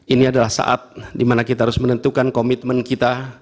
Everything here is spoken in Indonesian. ini adalah saat dimana kita harus menentukan komitmen kita